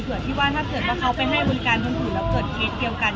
เพื่อที่ว่าถ้าเกิดว่าเขาไปให้บริการคนอื่นแล้วเกิดเคสเดียวกัน